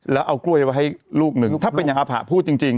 แล้วเอากล้วยไว้ให้ลูกหนึ่งถ้าเป็นอย่างอาผะพูดจริงจริง